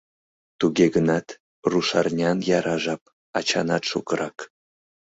Туге гынат рушарнян яра жап ачанат шукырак.